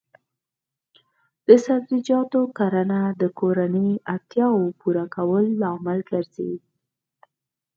د سبزیجاتو کرنه د کورنیو اړتیاوو پوره کولو لامل ګرځي.